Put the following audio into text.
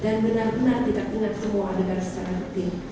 dan benar benar tidak ingat semua adegan secara aktif